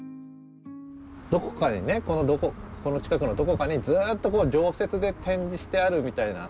どこかにねこの近くのどこかにずっと常設で展示してあるみたいな。